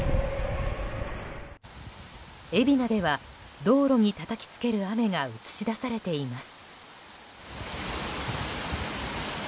海老名では、道路にたたきつける雨が映し出されています。